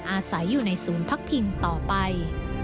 อาศัยอยู่ในศูนย์พักพิงต่อไป